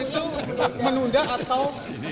perpul itu menunda atau